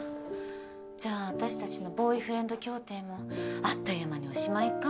じゃあ私たちのボーイフレンド協定もあっという間におしまいか。